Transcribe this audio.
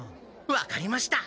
分かりました。